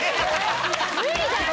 無理だよ